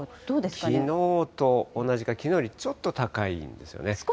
きのうと同じか、きのうよりちょっと高いんですよね。